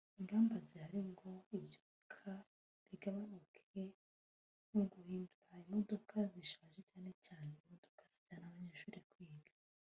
Ingamba zihari ngo ibyuka bigabanuke ni uguhindura ibimodoka bishaje cyane cyane imodoka zijyana abanyeshuri kwiga